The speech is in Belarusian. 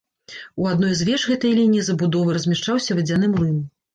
У адной з веж гэтай лініі забудовы размяшчаўся вадзяны млын.